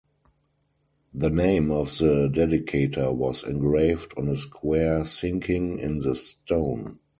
The name of the dedicator was engraved on a square sinking in the stone.